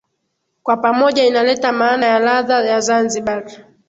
Kwa pamoja inaleta maana ya ladha ya Zanzibari